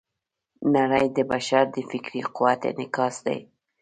نړۍ د بشر د فکري قوت انعکاس دی.